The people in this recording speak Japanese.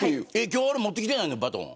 今日、持ってきてないのバトン。